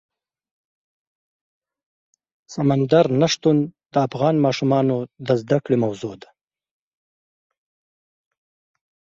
سمندر نه شتون د افغان ماشومانو د زده کړې موضوع ده.